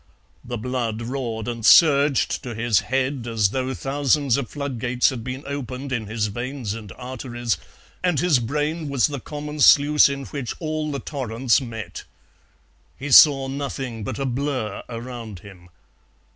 The blood roared and surged to his head as though thousands of floodgates had been opened in his veins and arteries, and his brain was the common sluice in which all the torrents met. He saw nothing but a blur around him.